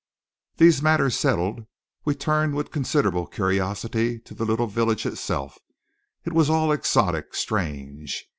These matters settled, we turned with considerable curiosity to the little village itself. It was all exotic, strange.